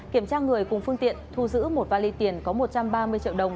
kiểm tra người cùng phương tiện thu giữ một vali tiền có một trăm ba mươi triệu đồng